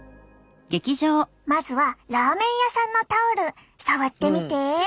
まずはラーメン屋さんのタオル触ってみて。